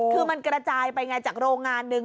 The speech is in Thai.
คือมันกระจายไปไงจากโรงงานหนึ่ง